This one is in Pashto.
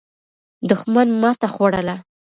دښمن ماته خوړله.